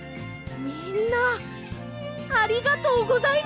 みんなありがとうございます！